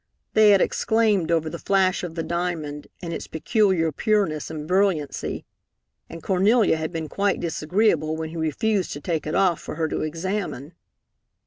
They had exclaimed over the flash of the diamond, and its peculiar pureness and brilliancy, and Cornelia had been quite disagreeable when he refused to take it off for her to examine.